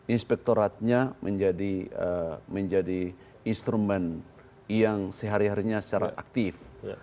inspektoratnya menjadi instrumen yang sehari harinya secara aktif